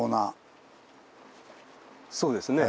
そうですね。